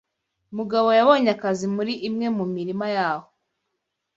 Mugabo yabonye akazi muri imwe mu mirima yaho.